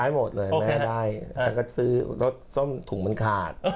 ได้หมดเลยแม่ได้แต่ส้มถุงมันขาด